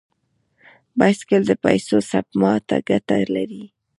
بایسکل د پیسو سپما ته ګټه لري.